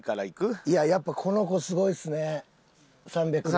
いややっぱこの娘すごいっすね。